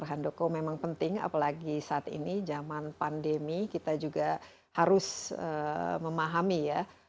handoko memang penting apalagi saat ini zaman pandemi kita juga harus memahami ya